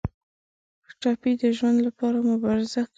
ټپي د ژوند لپاره مبارزه کوي.